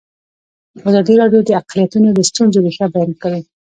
ازادي راډیو د اقلیتونه د ستونزو رېښه بیان کړې.